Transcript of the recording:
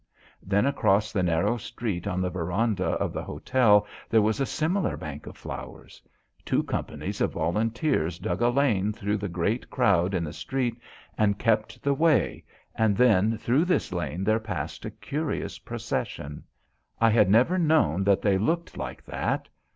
Then across the narrow street on the verandah of the hotel there was a similar bank of flowers. Two companies of volunteers dug a lane through the great crowd in the street and kept the way, and then through this lane there passed a curious procession. I had never known that they looked like that.